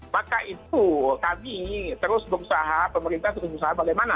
maka itu kami terus berusaha pemerintah terus berusaha bagaimana